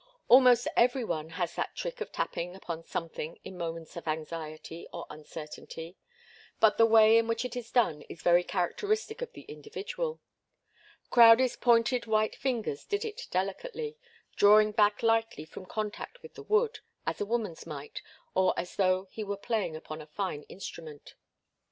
Almost every one has that trick of tapping upon something in moments of anxiety or uncertainty, but the way in which it is done is very characteristic of the individual. Crowdie's pointed white fingers did it delicately, drawing back lightly from contact with the wood, as a woman's might, or as though he were playing upon a fine instrument.